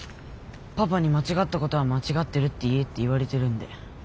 パパに間違ったことは間違ってるって言えって言われてるんで。